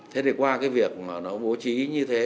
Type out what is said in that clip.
thế thì qua cái việc mà nó bố trí như thế